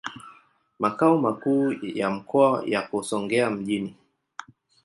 Makao makuu ya mkoa yako Songea mjini.